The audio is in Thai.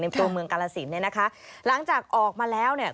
ตัวเมืองกาลสินเนี่ยนะคะหลังจากออกมาแล้วเนี่ย